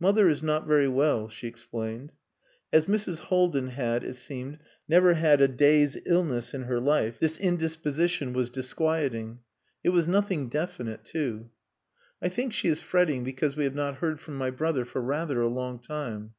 "Mother is not very well," she explained. As Mrs. Haldin had, it seemed, never had a day's illness in her life, this indisposition was disquieting. It was nothing definite, too. "I think she is fretting because we have not heard from my brother for rather a long time."